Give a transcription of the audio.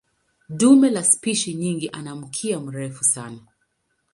Dume la spishi nyingi ana mkia mrefu sana.